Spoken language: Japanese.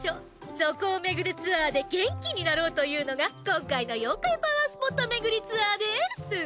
そこを巡るツアーで元気になろうというのが今回の妖怪パワースポット巡りツアーです。